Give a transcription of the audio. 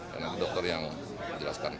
karena dokter yang menjelaskan